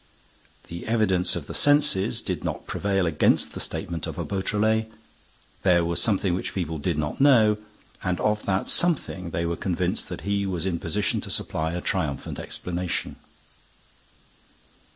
The evidence of the senses did not prevail against the statement of a Beautrelet. There was something which people did not know, and of that something they were convinced that he was in position to supply a triumphant explanation.